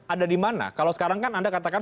ada di mana kalau sekarang kan anda katakan